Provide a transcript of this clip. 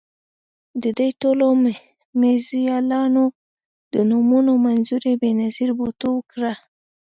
د دې ټولو میزایلونو د نومونو منظوري بېنظیر بوټو ورکړه.